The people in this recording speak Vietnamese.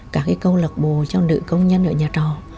các cái câu lạc bồ cho nữ công nhân ở nhà trò